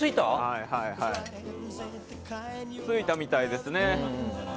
着いたみたいですね。